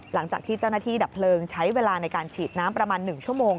หลังจากที่เจ้าหน้าที่ดับเพลิงใช้เวลาในการฉีดน้ำประมาณ๑ชั่วโมง